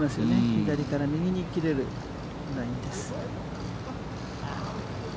左から右に切れるラインです。